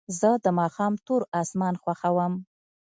زه د ماښام تور اسمان خوښوم.